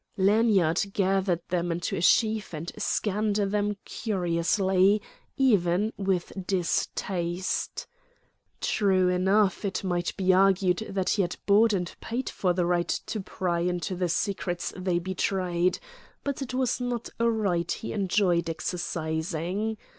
Lanyard gathered them into a sheaf and scanned them cursorily, even with distaste. True enough, it might be argued that he had bought and paid for the right to pry into the secrets they betrayed; but it was not a right he enjoyed exercising.